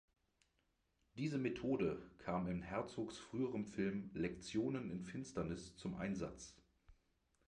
Diese Methode kam in Herzogs früherem Film „Lektionen in Finsternis“ zum Einsatz.